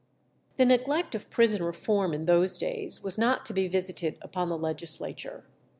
The neglect of prison reform in those days was not to be visited upon the legislature.